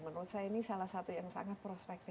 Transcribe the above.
menurut saya ini salah satu yang sangat prospektif